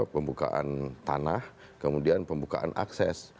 pembukaan tanah kemudian pembukaan akses